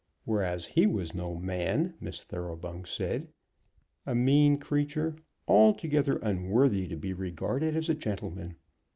Whereas he was no man, Miss Thoroughbung said, a mean creature, altogether unworthy to be regarded as a gentleman.